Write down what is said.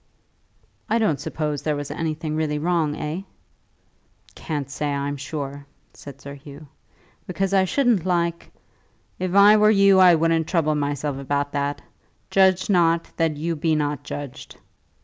"I don't suppose there was anything really wrong, eh?" "Can't say, I'm sure," said Sir Hugh. "Because I shouldn't like " "If I were you I wouldn't trouble myself about that. Judge not, that you be not judged."